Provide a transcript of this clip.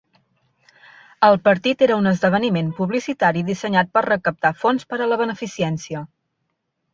El partit era un esdeveniment publicitari dissenyat per recaptar fons per a la beneficència.